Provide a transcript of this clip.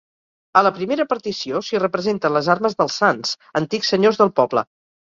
A la primera partició s'hi representen les armes dels Sanç, antics senyors del poble.